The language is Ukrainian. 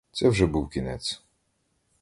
Це вже був кінець.